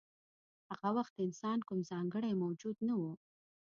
هغه وخت انسان کوم ځانګړی موجود نه و.